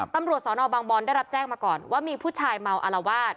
ตำรวจศบได้รับแจ้งมาก่อนว่ามีผู้ใจเมาอะลากวาด